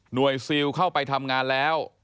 หน่วยซีลเข้าไปทำงานแล้ว